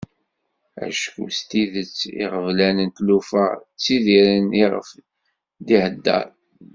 Acku s tidet d iɣeblan d tlufa ttidiren iɣef d-iheddeṛ.